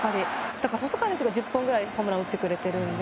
だから細川選手が１０本ぐらいホームランを打ってくれてるんで。